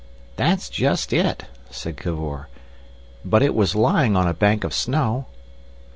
"That's just it," said Cavor. "But it was lying on a bank of snow."